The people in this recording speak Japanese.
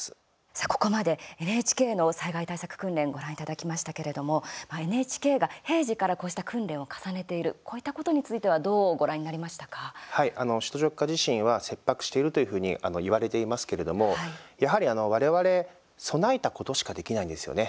さあ、ここまでＮＨＫの災害対策訓練ご覧いただきましたけれどもＮＨＫが平時からこうした訓練を重ねているこういったことについてははい、あの首都直下地震は切迫しているというふうにいわれていますけれどもやはり我々、備えたことしかできないんですよね。